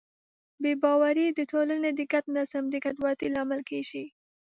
بې باورۍ د ټولنې د ګډ نظم د ګډوډۍ لامل کېږي.